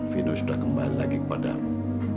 vinu sudah kembali lagi ke padamu